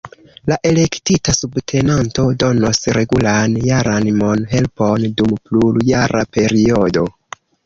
La elektita subtenanto donos regulan jaran mon-helpon dum plur-jara periodo.